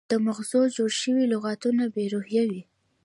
د مغزو جوړ شوي لغتونه بې روحه وي.